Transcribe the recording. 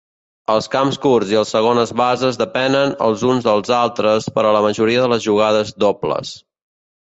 Els camps curts i els segones bases depenen els uns dels altres per a la majoria de les jugades dobles.